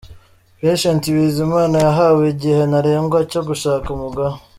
Patient Bizimana yahawe igihe ntarengwa cyo gushaka umugore.